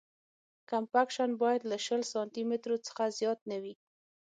کمپکشن باید له شل سانتي مترو څخه زیات نه وي